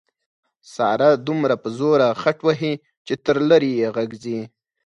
ساره دومره په زوره خټ وهي چې تر لرې یې غږ ځي.